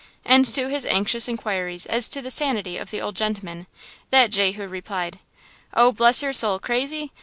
And to his anxious inquires as to the sanity of the old gentleman, that Jehu replied: "Oh, bless your soul, crazy?